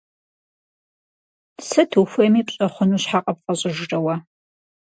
Сыт ухуейми пщӀэ хъуну щхьэ къыпфӀэщӀыжрэ уэ?